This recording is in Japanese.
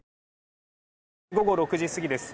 午後６時過ぎです。